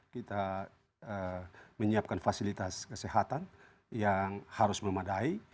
kita menyiapkan fasilitas kesehatan yang harus memadai